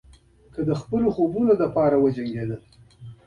که د خپلو خوبونو لپاره وجنګېدئ.